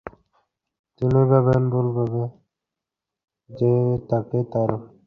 তিনি ভাবেন, ভুলভাবে, যে তাকে তার প্রজারা ভালোবাসে।